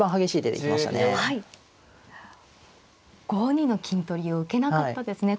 ５二の金取りを受けなかったですね。